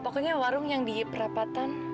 pokoknya warung yang di perapatan